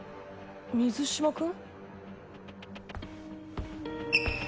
水嶋君？